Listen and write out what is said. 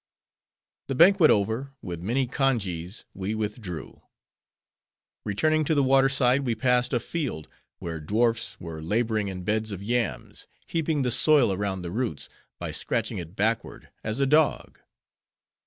The banquet over, with many congees, we withdrew. Returning to the water side, we passed a field, where dwarfs were laboring in beds of yams, heaping the soil around the roots, by scratching it backward; as a dog.